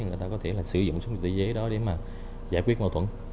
người ta có thể là sử dụng súng tự chế đó để mà giải quyết mâu thuẫn